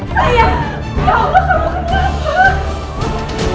sayang ya allah kamu kenapa